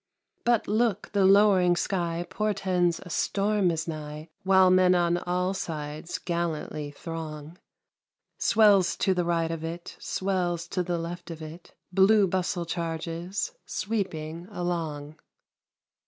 But look, the low'ring sky Portends a storm is nigh ; While men on all sides Gallantly throng ; Swells to the right of it, Swells to the left of it. Blue Bustle charges, Sweeping along.